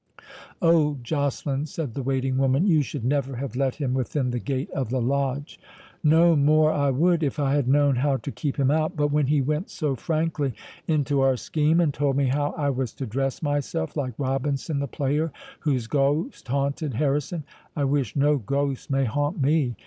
"Oh, Joceline," said the waiting woman, "you should never have let him within the gate of the Lodge!" "No more I would, if I had known how to keep him out; but when he went so frankly into our scheme, and told me how I was to dress myself like Robinson the player, whose ghost haunted Harrison—I wish no ghost may haunt me!